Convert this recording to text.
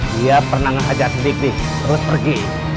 dia pernah ngajak sedikit terus pergi